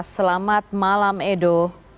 selamat malam edo